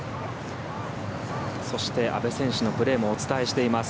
そして阿部選手のプレーもお伝えしています。